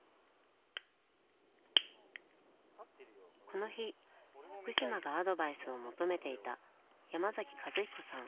この日福島がアドバイスを求めていた山崎一彦さん。